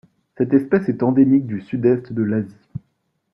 Cette espèce est endémique du Sud-Est de lAsie.